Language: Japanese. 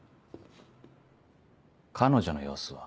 彼女の様子は？